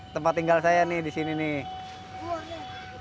tempat tinggal saya nih di sini nih